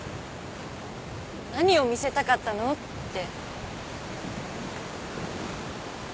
何を見せたかったの？って。